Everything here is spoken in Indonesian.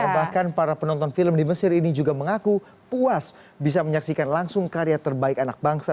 bahkan para penonton film di mesir ini juga mengaku puas bisa menyaksikan langsung karya terbaik anak bangsa